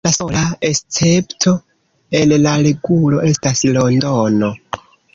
La sola escepto al la regulo estas Londono.